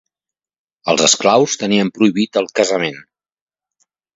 Els esclaus tenien prohibit el casament.